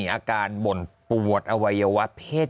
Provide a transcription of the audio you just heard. อาการบ่นปวดอวัยวะเพศ